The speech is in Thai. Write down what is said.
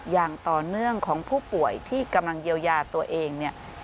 อย่างต่อเนื่องของผู้ป่วยที่กำลังเยียวยาตัวเองเนี่ย